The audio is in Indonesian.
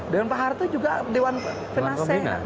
dewan paharto juga dewan pembina pak arto